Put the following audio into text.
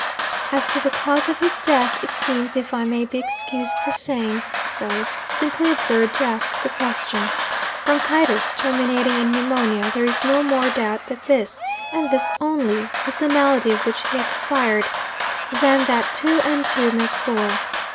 '"As to the cause of his death, it seems (if I may be excused for saying so) simply absurd to ask the question. Bronchitis, terminating in pneumonia there is no more doubt that this, and this only, was the malady of which he expired, than that two and two make four.